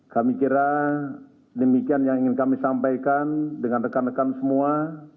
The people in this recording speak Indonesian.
kami kira demikian yang ingin kami sampaikan dengan rekan rekan semua